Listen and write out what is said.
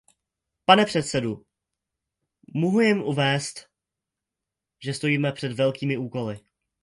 Pane předsedo, mohu jen uvést, že stojíme před velkými úkoly.